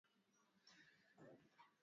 mengi yamejiri katika ripoti hiyo